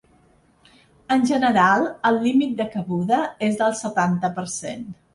En general, el límit de cabuda és del setanta per cent.